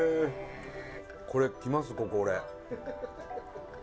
これ、来ます、ここ、俺。